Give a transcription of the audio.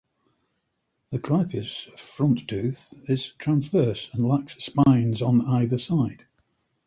The clypeus (frontal tooth) is transverse and lacks spines on either side.